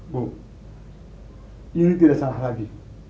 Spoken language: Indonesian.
bu ini tidak salah lagi